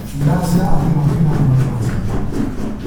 In Asia, arriva fino al Mar Caspio.